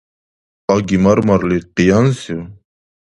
Аги мар-марли къиянсив?